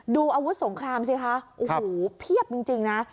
ดูอาวุธสงครามสิคะโอ้โหเพียบจริงนะ